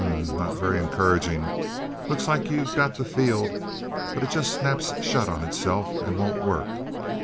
"H m m m not very encouraging. Looks like you've got the field but it just snaps shut on itself and won't work.